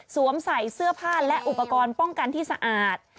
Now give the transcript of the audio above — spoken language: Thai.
ใส่เสื้อผ้าและอุปกรณ์ป้องกันที่สะอาด